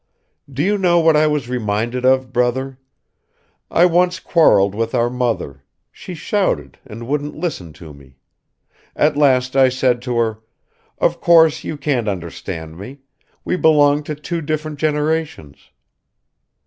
"Do you know what I was reminded of, brother? I once quarreled with our mother; she shouted and wouldn't listen to me. At last I said to her, 'Of course you can't understand me; we belong to two different generations.'